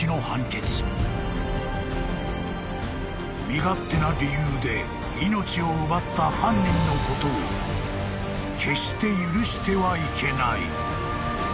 ［身勝手な理由で命を奪った犯人のことを決して許してはいけない］